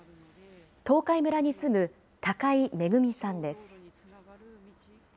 東海村に住む高井恵美さんです。